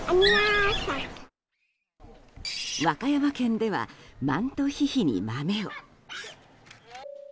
和歌山県ではマントヒヒに豆を。